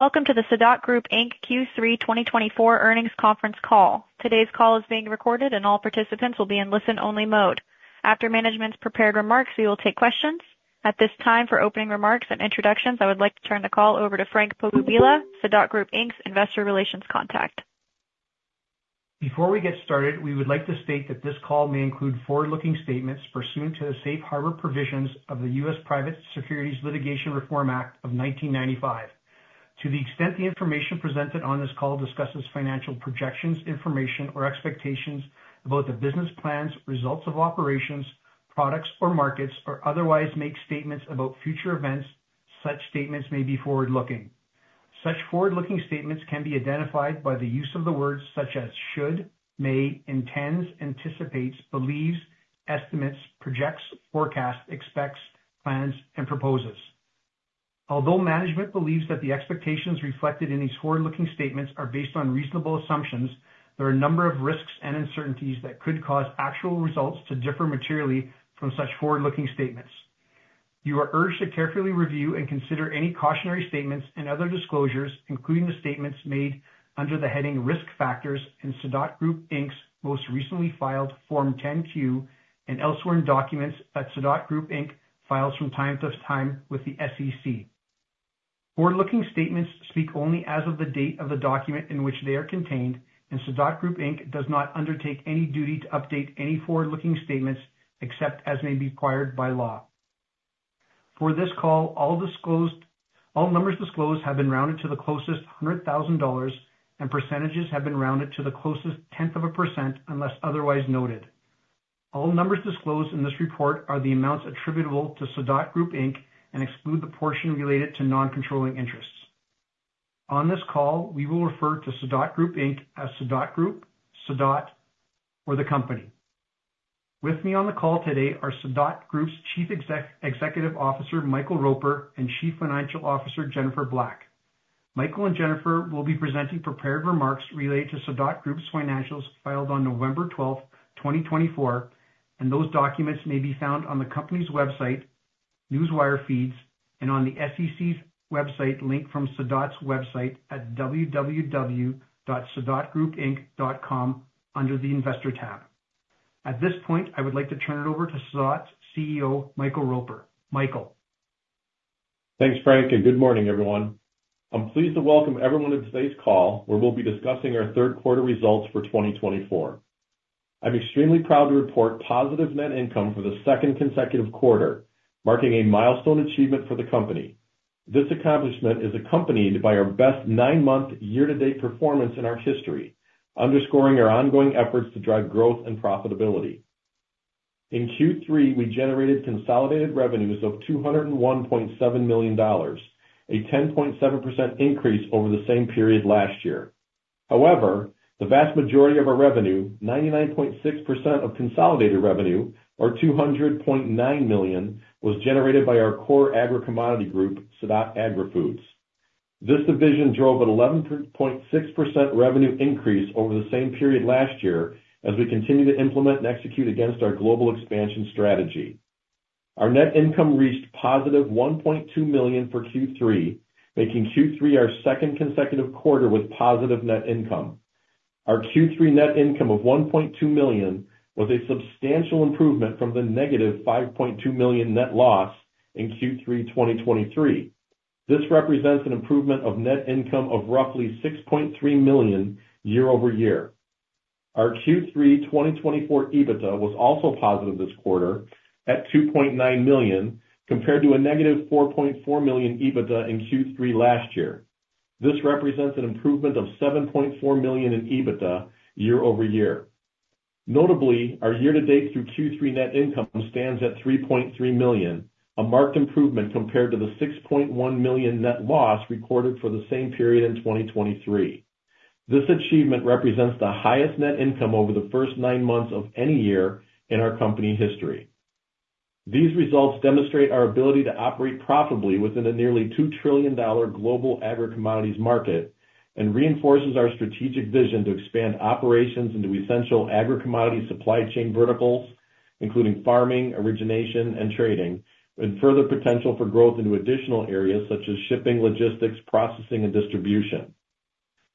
Welcome to the Sadot Group Inc Q3 2024 Earnings Conference Call. Today's call is being recorded, and all participants will be in listen-only mode. After management's prepared remarks, we will take questions. At this time, for opening remarks and introductions, I would like to turn the call over to Frank Pogubila, Sadot Group Inc's investor relations contact. Before we get started, we would like to state that this call may include forward-looking statements pursuant to the safe harbor provisions of the U.S. Private Securities Litigation Reform Act of 1995. To the extent the information presented on this call discusses financial projections, information, or expectations about the business plans, results of operations, products, or markets, or otherwise make statements about future events, such statements may be forward-looking. Such forward-looking statements can be identified by the use of the words such as should, may, intends, anticipates, believes, estimates, projects, forecasts, expects, plans, and proposes. Although management believes that the expectations reflected in these forward-looking statements are based on reasonable assumptions, there are a number of risks and uncertainties that could cause actual results to differ materially from such forward-looking statements. You are urged to carefully review and consider any cautionary statements and other disclosures, including the statements made under the heading Risk Factors in Sadot Group Inc's most recently filed Form 10-Q and elsewhere in documents that Sadot Group Inc files from time to time with the SEC. Forward-looking statements speak only as of the date of the document in which they are contained, and Sadot Group Inc does not undertake any duty to update any forward-looking statements except as may be required by law. For this call, all numbers disclosed have been rounded to the closest $100,000, and percentages have been rounded to the closest tenth of a percent unless otherwise noted. All numbers disclosed in this report are the amounts attributable to Sadot Group Inc and exclude the portion related to non-controlling interests. On this call, we will refer to Sadot Group Inc as Sadot Group, Sadot, or the Company. With me on the call today are Sadot Group's Chief Executive Officer Michael Roper and Chief Financial Officer Jennifer Black. Michael and Jennifer will be presenting prepared remarks related to Sadot Group's financials filed on November 12, 2024, and those documents may be found on the company's website, newswire feeds, and on the SEC's website linked from Sadot's website at www.sadotgroupinc.com under the investor tab. At this point, I would like to turn it over to Sadot's CEO, Michael Roper. Michael. Thanks, Frank, and good morning, everyone. I'm pleased to welcome everyone to today's call, where we'll be discussing our third-quarter results for 2024. I'm extremely proud to report positive net income for the second consecutive quarter, marking a milestone achievement for the company. This accomplishment is accompanied by our best nine-month year-to-date performance in our history, underscoring our ongoing efforts to drive growth and profitability. In Q3, we generated consolidated revenues of $201.7 million, a 10.7% increase over the same period last year. However, the vast majority of our revenue, 99.6% of consolidated revenue, or $200.9 million, was generated by our core agri-commodity group, Sadot Agri-Foods. This division drove an 11.6% revenue increase over the same period last year as we continue to implement and execute against our global expansion strategy. Our net income reached positive $1.2 million for Q3, making Q3 our second consecutive quarter with positive net income. Our Q3 net income of $1.2 million was a substantial improvement from the negative $5.2 million net loss in Q3 2023. This represents an improvement of net income of roughly $6.3 million year-over-year. Our Q3 2024 EBITDA was also positive this quarter at $2.9 million, compared to a negative $4.4 million EBITDA in Q3 last year. This represents an improvement of $7.4 million in EBITDA year-over-year. Notably, our year-to-date through Q3 net income stands at $3.3 million, a marked improvement compared to the $6.1 million net loss recorded for the same period in 2023. This achievement represents the highest net income over the first nine months of any year in our company history. These results demonstrate our ability to operate profitably within a nearly $2 trillion global agri-commodities market and reinforces our strategic vision to expand operations into essential agri-commodities supply chain verticals, including farming, origination, and trading, with further potential for growth into additional areas such as shipping, logistics, processing, and distribution.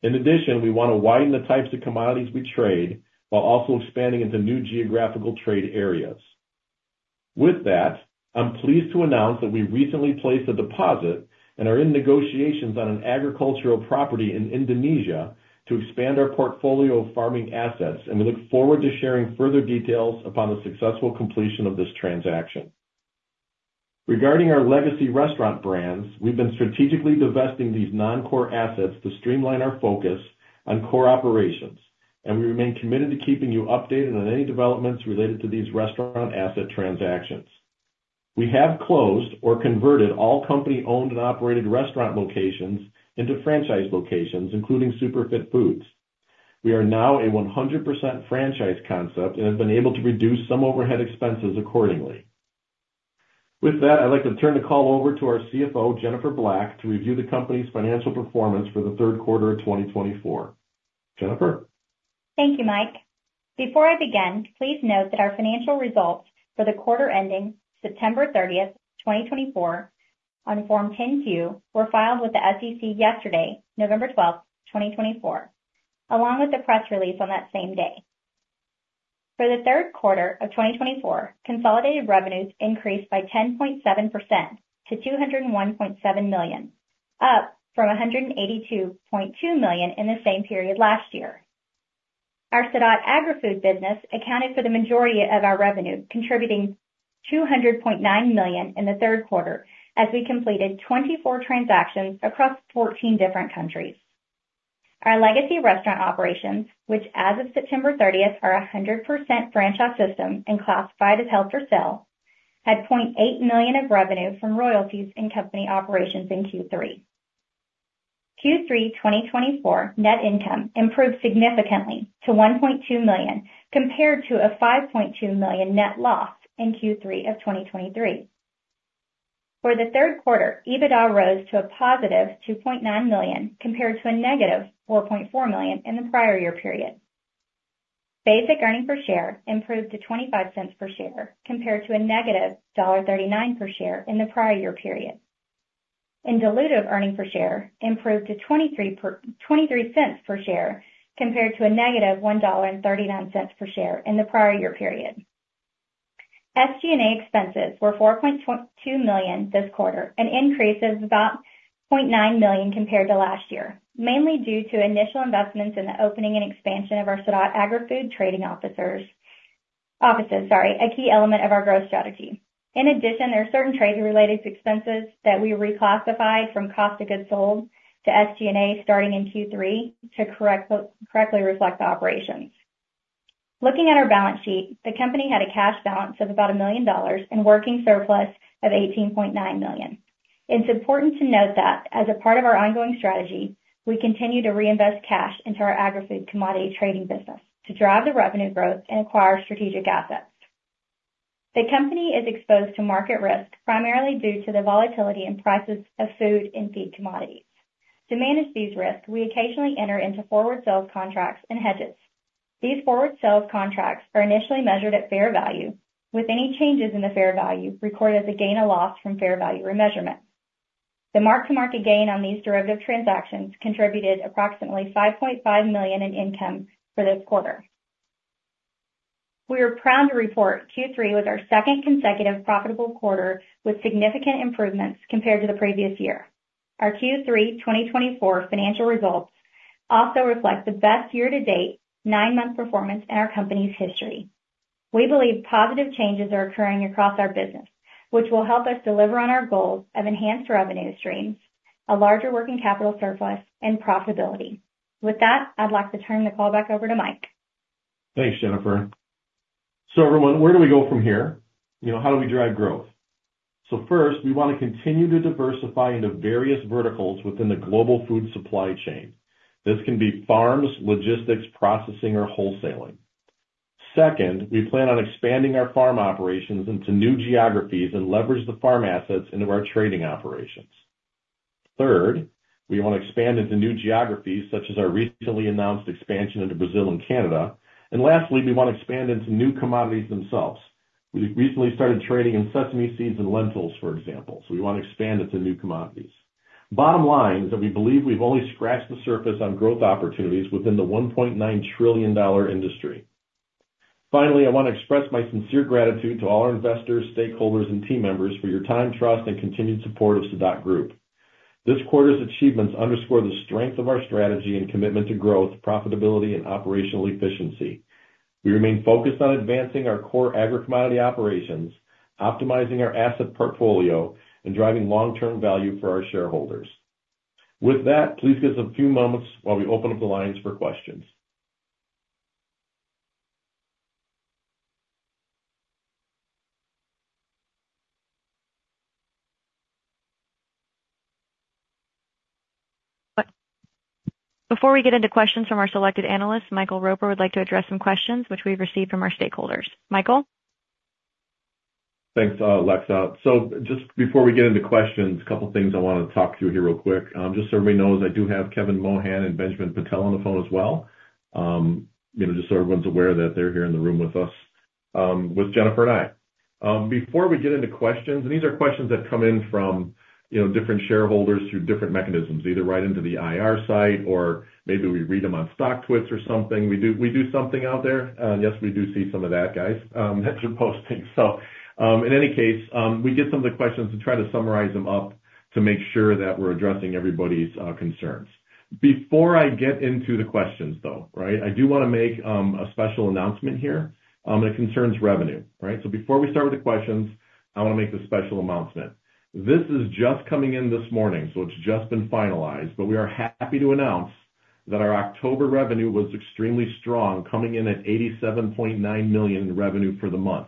In addition, we want to widen the types of commodities we trade while also expanding into new geographical trade areas. With that, I'm pleased to announce that we recently placed a deposit and are in negotiations on an agricultural property in Indonesia to expand our portfolio of farming assets, and we look forward to sharing further details upon the successful completion of this transaction. Regarding our legacy restaurant brands, we've been strategically divesting these non-core assets to streamline our focus on core operations, and we remain committed to keeping you updated on any developments related to these restaurant asset transactions. We have closed or converted all company-owned and operated restaurant locations into franchise locations, including SuperFit Foods. We are now a 100% franchise concept and have been able to reduce some overhead expenses accordingly. With that, I'd like to turn the call over to our CFO, Jennifer Black, to review the company's financial performance for the third quarter of 2024. Jennifer? Thank you, Mike. Before I begin, please note that our financial results for the quarter ending September 30, 2024, on Form 10-Q were filed with the SEC yesterday, November 12, 2024, along with the press release on that same day. For the third quarter of 2024, consolidated revenues increased by 10.7% to $201.7 million, up from $182.2 million in the same period last year. Our Sadot Agri-Foods business accounted for the majority of our revenue, contributing $200.9 million in the third quarter as we completed 24 transactions across 14 different countries. Our legacy restaurant operations, which as of September 30 are a 100% franchise system and classified as held for sale, had $0.8 million of revenue from royalties and company operations in Q3. Q3 2024 net income improved significantly to $1.2 million compared to a $5.2 million net loss in Q3 of 2023. For the third quarter, EBITDA rose to a positive $2.9 million compared to a negative $4.4 million in the prior year period. Basic earnings per share improved to $0.25 per share compared to a negative $1.39 per share in the prior year period. Dilutive earnings per share improved to $0.23 per share compared to a negative $1.39 per share in the prior year period. SG&A expenses were $4.2 million this quarter, an increase of about $0.9 million compared to last year, mainly due to initial investments in the opening and expansion of our Sadot Agri-Food trading offices, sorry, a key element of our growth strategy. In addition, there are certain trade-related expenses that we reclassified from cost of goods sold to SG&A starting in Q3 to correctly reflect the operations. Looking at our balance sheet, the company had a cash balance of about $1 million and working surplus of $18.9 million. It's important to note that as a part of our ongoing strategy, we continue to reinvest cash into our agri-food commodity trading business to drive the revenue growth and acquire strategic assets. The company is exposed to market risk primarily due to the volatility in prices of food and feed commodities. To manage these risks, we occasionally enter into forward sales contracts and hedges. These forward sales contracts are initially measured at fair value, with any changes in the fair value recorded as a gain or loss from fair value remeasurement. The mark-to-market gain on these derivative transactions contributed approximately $5.5 million in income for this quarter. We are proud to report Q3 was our second consecutive profitable quarter with significant improvements compared to the previous year. Our Q3 2024 financial results also reflect the best year-to-date, nine-month performance in our company's history. We believe positive changes are occurring across our business, which will help us deliver on our goals of enhanced revenue streams, a larger working capital surplus, and profitability. With that, I'd like to turn the call back over to Mike. Thanks, Jennifer. So everyone, where do we go from here? How do we drive growth? So first, we want to continue to diversify into various verticals within the global food supply chain. This can be farms, logistics, processing, or wholesaling. Second, we plan on expanding our farm operations into new geographies and leverage the farm assets into our trading operations. Third, we want to expand into new geographies, such as our recently announced expansion into Brazil and Canada. And lastly, we want to expand into new commodities themselves. We recently started trading in sesame seeds and lentils, for example, so we want to expand into new commodities. Bottom line is that we believe we've only scratched the surface on growth opportunities within the $1.9 trillion industry. Finally, I want to express my sincere gratitude to all our investors, stakeholders, and team members for your time, trust, and continued support of Sadot Group. This quarter's achievements underscore the strength of our strategy and commitment to growth, profitability, and operational efficiency. We remain focused on advancing our core agri-commodity operations, optimizing our asset portfolio, and driving long-term value for our shareholders. With that, please give us a few moments while we open up the lines for questions. Before we get into questions from our selected analyst, Michael Roper would like to address some questions which we've received from our stakeholders. Michael? Thanks, Alexa. So just before we get into questions, a couple of things I want to talk through here real quick. Just so everybody knows, I do have Kevin Mohan and Benjamin Petel on the phone as well. Just so everyone's aware that they're here in the room with us, with Jennifer and I. Before we get into questions, and these are questions that come in from different shareholders through different mechanisms, either right into the IR site or maybe we read them on StockTwits or something. We do something out there. Yes, we do see some of that, guys, that you're posting. So in any case, we get some of the questions and try to summarize them up to make sure that we're addressing everybody's concerns. Before I get into the questions, though, I do want to make a special announcement here, and it concerns revenue. So before we start with the questions, I want to make this special announcement. This is just coming in this morning, so it's just been finalized, but we are happy to announce that our October revenue was extremely strong, coming in at $87.9 million in revenue for the month.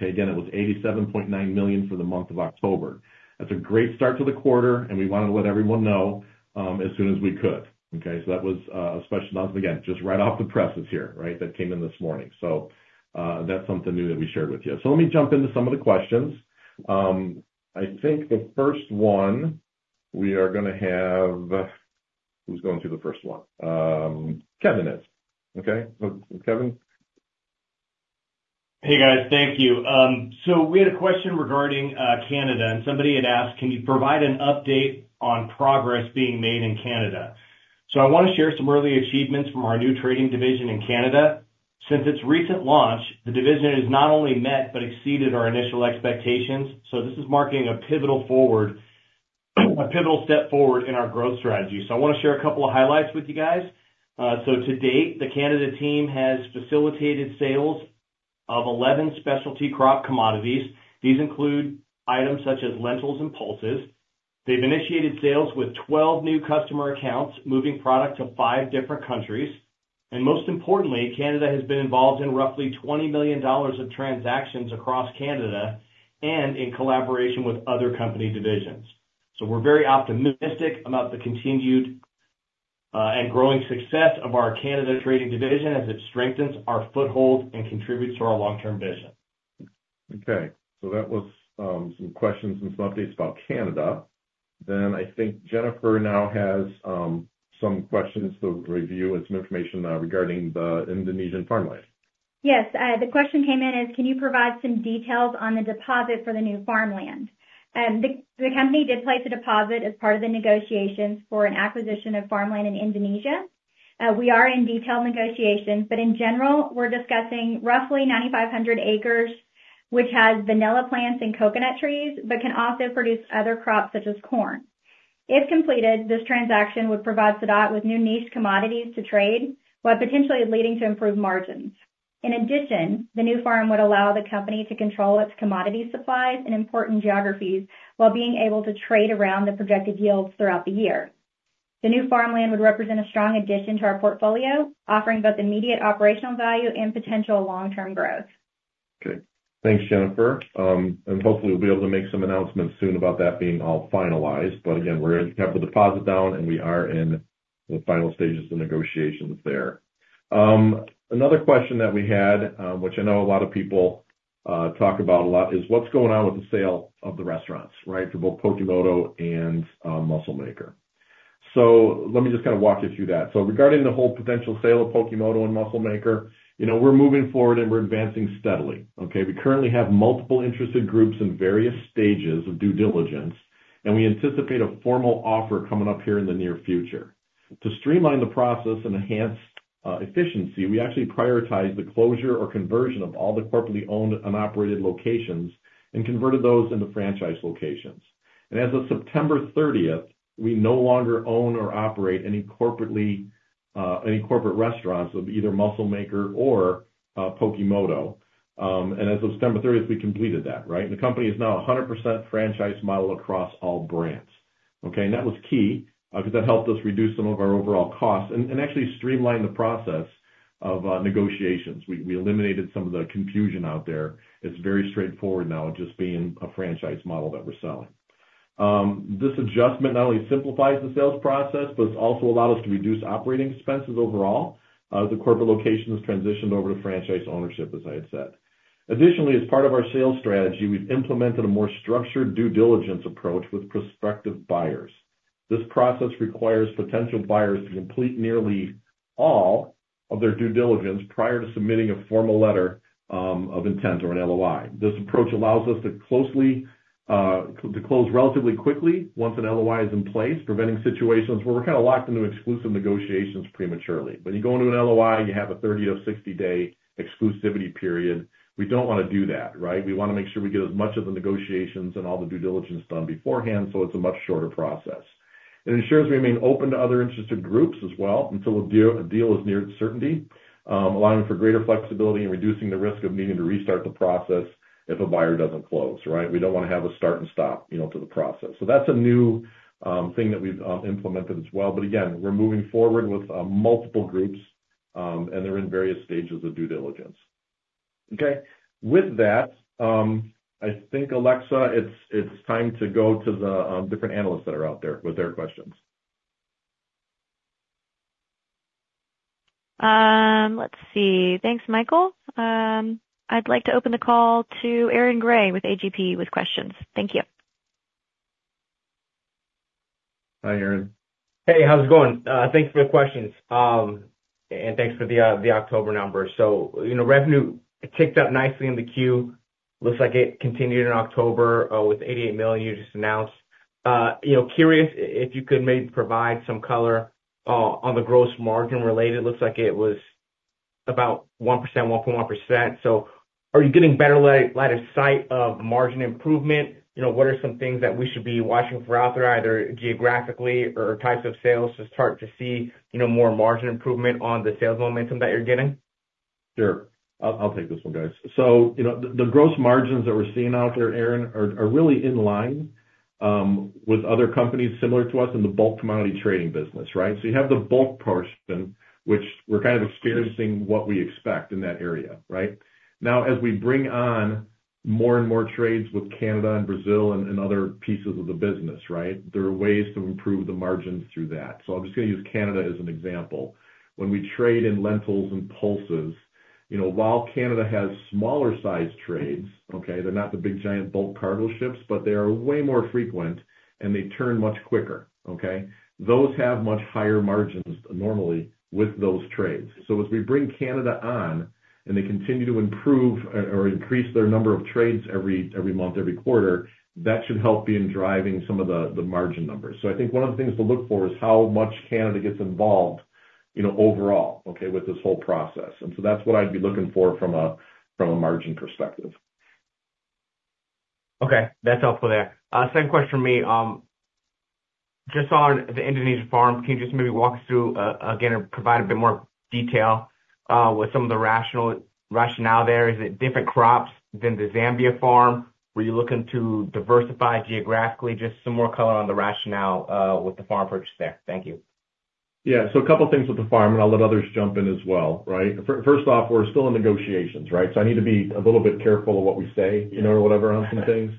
Again, it was $87.9 million for the month of October. That's a great start to the quarter, and we wanted to let everyone know as soon as we could. So that was a special announcement, again, just right off the presses here that came in this morning. So that's something new that we shared with you. So let me jump into some of the questions. I think the first one we are going to have. Who's going through the first one? Kevin is. Kevin? Hey, guys. Thank you. So we had a question regarding Canada, and somebody had asked, "Can you provide an update on progress being made in Canada?" So I want to share some early achievements from our new trading division in Canada. Since its recent launch, the division has not only met but exceeded our initial expectations. So this is marking a pivotal step forward in our growth strategy. So I want to share a couple of highlights with you guys. So to date, the Canada team has facilitated sales of 11 specialty crop commodities. These include items such as lentils and pulses. They've initiated sales with 12 new customer accounts, moving product to five different countries. And most importantly, Canada has been involved in roughly $20 million of transactions across Canada and in collaboration with other company divisions. We're very optimistic about the continued and growing success of our Canada trading division as it strengthens our foothold and contributes to our long-term vision. Okay. So that was some questions and some updates about Canada. Then I think Jennifer now has some questions to review and some information regarding the Indonesian farmland. Yes. The question came in as, "Can you provide some details on the deposit for the new farmland?" The company did place a deposit as part of the negotiations for an acquisition of farmland in Indonesia. We are in detailed negotiations, but in general, we're discussing roughly 9,500 acres, which has vanilla plants and coconut trees, but can also produce other crops such as corn. If completed, this transaction would provide Sadot with new niche commodities to trade, while potentially leading to improved margins. In addition, the new farm would allow the company to control its commodity supplies in important geographies while being able to trade around the projected yields throughout the year. The new farmland would represent a strong addition to our portfolio, offering both immediate operational value and potential long-term growth. Okay. Thanks, Jennifer. And hopefully, we'll be able to make some announcements soon about that being all finalized. But again, we're going to have the deposit down, and we are in the final stages of negotiations there. Another question that we had, which I know a lot of people talk about a lot, is what's going on with the sale of the restaurants for both Pokémoto and Muscle Maker. So let me just kind of walk you through that. So regarding the whole potential sale of Pokémoto and Muscle Maker, we're moving forward, and we're advancing steadily. We currently have multiple interested groups in various stages of due diligence, and we anticipate a formal offer coming up here in the near future. To streamline the process and enhance efficiency, we actually prioritized the closure or conversion of all the corporately owned and operated locations and converted those into franchise locations. As of September 30, we no longer own or operate any corporate restaurants of either Muscle Maker or Pokémoto. As of September 30, we completed that. The company is now a 100% franchise model across all brands. That was key because that helped us reduce some of our overall costs and actually streamlined the process of negotiations. We eliminated some of the confusion out there. It's very straightforward now of just being a franchise model that we're selling. This adjustment not only simplifies the sales process, but it's also allowed us to reduce operating expenses overall. The corporate location has transitioned over to franchise ownership, as I had said. Additionally, as part of our sales strategy, we've implemented a more structured due diligence approach with prospective buyers. This process requires potential buyers to complete nearly all of their due diligence prior to submitting a formal letter of intent or an LOI. This approach allows us to close relatively quickly once an LOI is in place, preventing situations where we're kind of locked into exclusive negotiations prematurely. When you go into an LOI, you have a 30 to 60-day exclusivity period. We don't want to do that. We want to make sure we get as much of the negotiations and all the due diligence done beforehand, so it's a much shorter process. It ensures we remain open to other interested groups as well until a deal is near certainty, allowing for greater flexibility and reducing the risk of needing to restart the process if a buyer doesn't close. We don't want to have a start and stop to the process. So that's a new thing that we've implemented as well. But again, we're moving forward with multiple groups, and they're in various stages of due diligence. Okay. With that, I think, Alexa, it's time to go to the different analysts that are out there with their questions. Let's see. Thanks, Michael. I'd like to open the call to Aaron Grey with AGP with questions. Thank you. Hi, Aaron. Hey, how's it going? Thank you for the questions and thanks for the October numbers, so revenue ticked up nicely in the Q. Looks like it continued in October with $88 million you just announced. Curious if you could maybe provide some color on the gross margin related. Looks like it was about 1%, 1.1%. So are you getting better line of sight of margin improvement? What are some things that we should be watching for out there, either geographically or types of sales? It's hard to see more margin improvement on the sales momentum that you're getting. Sure. I'll take this one, guys. So the gross margins that we're seeing out there, Aaron, are really in line with other companies similar to us in the bulk commodity trading business. So you have the bulk portion, which we're kind of experiencing what we expect in that area. Now, as we bring on more and more trades with Canada and Brazil and other pieces of the business, there are ways to improve the margins through that. So I'm just going to use Canada as an example. When we trade in lentils and pulses, while Canada has smaller-sized trades, they're not the big giant bulk cargo ships, but they are way more frequent, and they turn much quicker. Those have much higher margins normally with those trades. So as we bring Canada on and they continue to improve or increase their number of trades every month, every quarter, that should help in driving some of the margin numbers. So I think one of the things to look for is how much Canada gets involved overall with this whole process. And so that's what I'd be looking for from a margin perspective. Okay. That's helpful there. Same question for me. Just on the Indonesia farms, can you just maybe walk us through again and provide a bit more detail with some of the rationale there? Is it different crops than the Zambia farm? Were you looking to diversify geographically? Just some more color on the rationale with the farm purchase there. Thank you. Yeah. So a couple of things with the farm, and I'll let others jump in as well. First off, we're still in negotiations. So I need to be a little bit careful of what we say or whatever on some things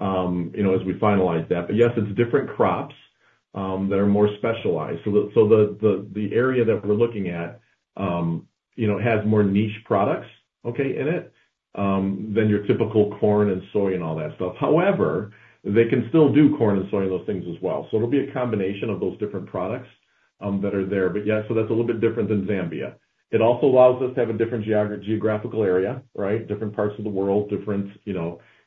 as we finalize that. But yes, it's different crops that are more specialized. So the area that we're looking at has more niche products in it than your typical corn and soy and all that stuff. However, they can still do corn and soy and those things as well. So it'll be a combination of those different products that are there. But yeah, so that's a little bit different than Zambia. It also allows us to have a different geographical area, different parts of the world, different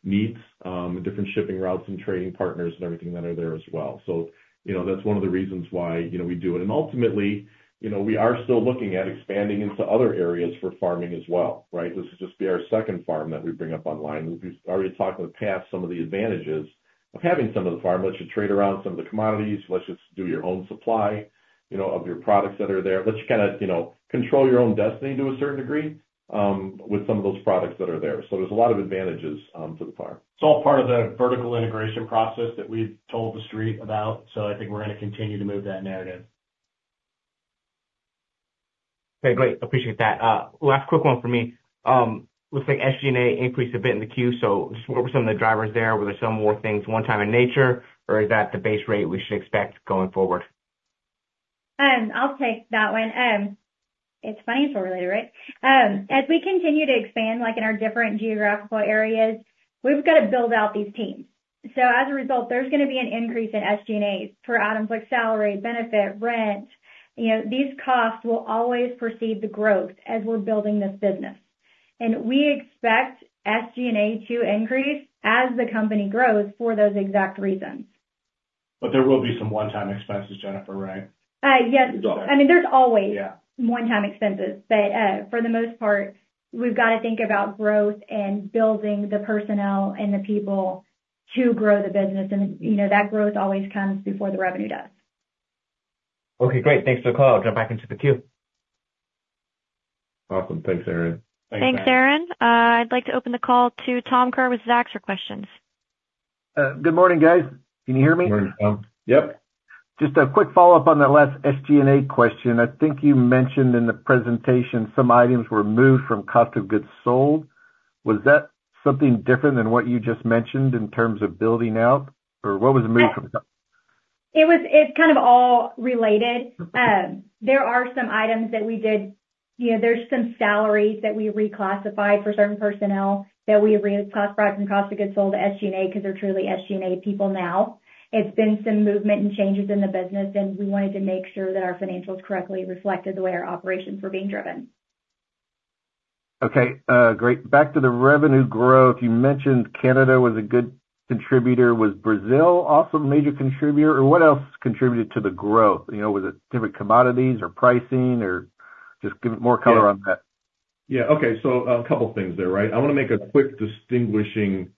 needs, different shipping routes, and trading partners and everything that are there as well. So that's one of the reasons why we do it. And ultimately, we are still looking at expanding into other areas for farming as well. This will just be our second farm that we bring up online. We've already talked in the past some of the advantages of having some of the farm. Let's just trade around some of the commodities. Let's just do your own supply of your products that are there. Let's kind of control your own destiny to a certain degree with some of those products that are there. So there's a lot of advantages to the farm. It's all part of the vertical integration process that we've told the street about, so I think we're going to continue to move that narrative. Okay. Great. Appreciate that. Last quick one for me. Looks like SG&A increased a bit in the quarter. So just what were some of the drivers there? Were there some more things one-time in nature, or is that the base rate we should expect going forward? I'll take that one. It's financial related, right? As we continue to expand in our different geographical areas, we've got to build out these teams, so as a result, there's going to be an increase in SG&As for items like salary, benefit, rent. These costs will always precede the growth as we're building this business, and we expect SG&A to increase as the company grows for those exact reasons. But there will be some one-time expenses, Jennifer, right? Yes. I mean, there's always one-time expenses, but for the most part, we've got to think about growth and building the personnel and the people to grow the business, and that growth always comes before the revenue does. Okay. Great. Thanks for the call. I'll jump back into the queue. Awesome. Thanks, Aaron. Thanks, Aaron. I'd like to open the call to Tom Kerr with Zacks for questions. Good morning, guys. Can you hear me? Morning, Tom. Yep. Just a quick follow-up on that last SG&A question. I think you mentioned in the presentation some items were moved from cost of goods sold. Was that something different than what you just mentioned in terms of building out, or what was moved from? It's kind of all related. There are some items that we did. There's some salaries that we reclassified for certain personnel that we reclassified from Cost of Goods Sold to SG&A because they're truly SG&A people now. It's been some movement and changes in the business, and we wanted to make sure that our financials correctly reflected the way our operations were being driven. Okay. Great. Back to the revenue growth. You mentioned Canada was a good contributor. Was Brazil also a major contributor? Or what else contributed to the growth? Was it different commodities or pricing or just give more color on that? Yeah. Okay. So a couple of things there, right? I want to make a quick distinguishing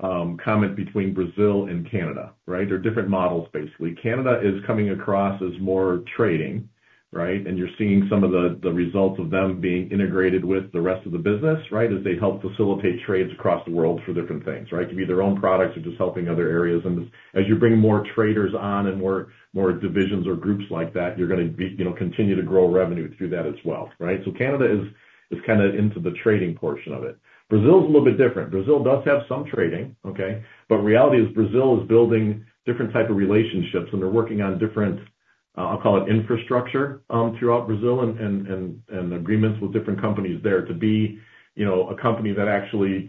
comment between Brazil and Canada. There are different models, basically. Canada is coming across as more trading, and you're seeing some of the results of them being integrated with the rest of the business as they help facilitate trades across the world for different things, be their own products or just helping other areas. And as you bring more traders on and more divisions or groups like that, you're going to continue to grow revenue through that as well. So Canada is kind of into the trading portion of it. Brazil is a little bit different. Brazil does have some trading. But reality is, Brazil is building different types of relationships, and they're working on different, I'll call it, infrastructure throughout Brazil and agreements with different companies there to be a company that actually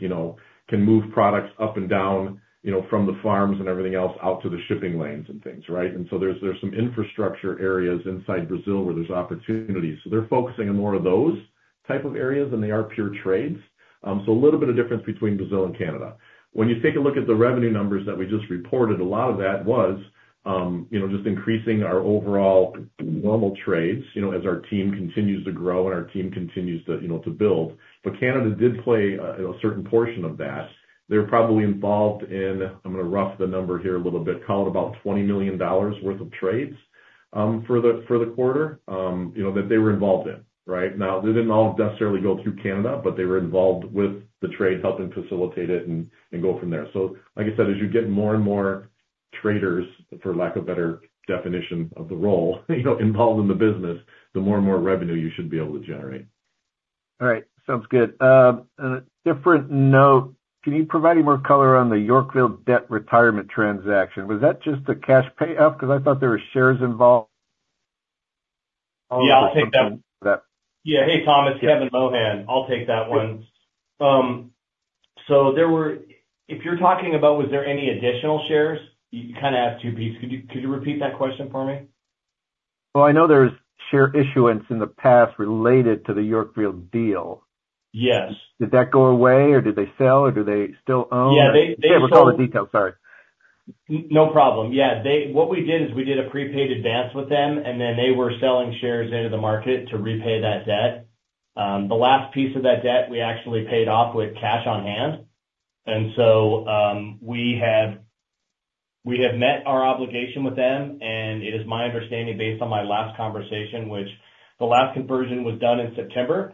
can move products up and down from the farms and everything else out to the shipping lanes and things. And so there's some infrastructure areas inside Brazil where there's opportunities. So they're focusing on more of those types of areas than they are pure trades. So a little bit of difference between Brazil and Canada. When you take a look at the revenue numbers that we just reported, a lot of that was just increasing our overall normal trades as our team continues to grow and our team continues to build. But Canada did play a certain portion of that. They're probably involved in, I'm going to rough the number here a little bit, call it about $20 million worth of trades for the quarter that they were involved in. Now, they didn't all necessarily go through Canada, but they were involved with the trade, helping facilitate it and go from there. So like I said, as you get more and more traders, for lack of a better definition of the role, involved in the business, the more and more revenue you should be able to generate. All right. Sounds good. On a different note, can you provide any more color on the Yorkville debt retirement transaction? Was that just a cash payoff? Because I thought there were shares involved. Yeah. I'll take that. Yeah. Hey, Tom, Kevin Mohan, I'll take that one. So if you're talking about, was there any additional shares? You kind of asked two pieces. Could you repeat that question for me? I know there was share issuance in the past related to the Yorkville deal. Did that go away, or did they sell, or do they still own? Yeah. They sold. Okay. We'll call it detailed. Sorry. No problem. Yeah. What we did is we did a prepaid advance with them, and then they were selling shares into the market to repay that debt. The last piece of that debt, we actually paid off with cash on hand. And so we have met our obligation with them. And it is my understanding, based on my last conversation, which the last conversion was done in September,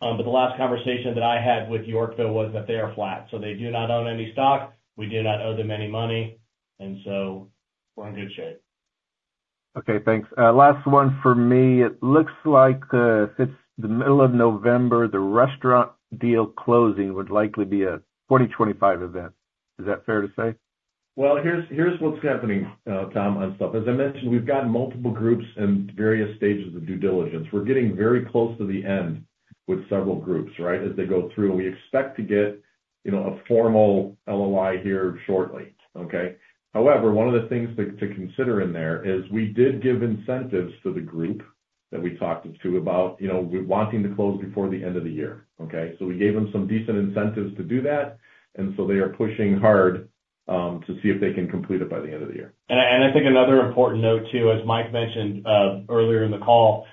but the last conversation that I had with Yorkville was that they are flat. So they do not own any stock. We do not owe them any money. And so we're in good shape. Okay. Thanks. Last one for me. It looks like if it's the middle of November, the restaurant deal closing would likely be a 2025 event. Is that fair to say? Here's what's happening, Tom, on stuff. As I mentioned, we've got multiple groups in various stages of due diligence. We're getting very close to the end with several groups as they go through. We expect to get a formal LOI here shortly. However, one of the things to consider in there is we did give incentives to the group that we talked to about wanting to close before the end of the year. So we gave them some decent incentives to do that. And so they are pushing hard to see if they can complete it by the end of the year. I think another important note too, as Mike mentioned earlier in the call,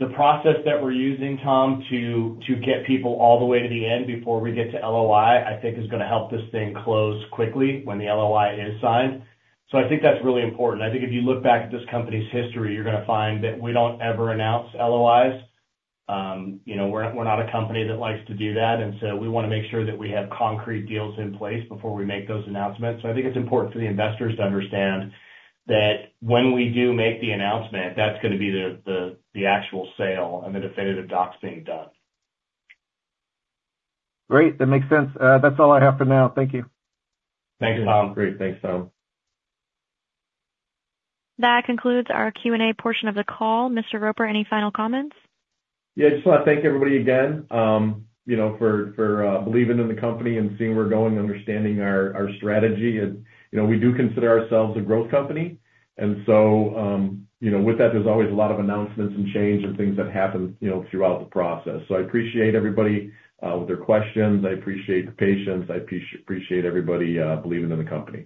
the process that we're using, Tom, to get people all the way to the end before we get to LOI, I think is going to help this thing close quickly when the LOI is signed. So I think that's really important. I think if you look back at this company's history, you're going to find that we don't ever announce LOIs. We're not a company that likes to do that. And so we want to make sure that we have concrete deals in place before we make those announcements. So I think it's important for the investors to understand that when we do make the announcement, that's going to be the actual sale and the definitive docs being done. Great. That makes sense. That's all I have for now. Thank you. Thanks, Tom. Great. Thanks, Tom. That concludes our Q&A portion of the call. Mr. Roper, any final comments? Yeah. I just want to thank everybody again for believing in the company and seeing where we're going and understanding our strategy. We do consider ourselves a growth company, and so with that, there's always a lot of announcements and change and things that happen throughout the process. So I appreciate everybody with their questions. I appreciate the patience. I appreciate everybody believing in the company.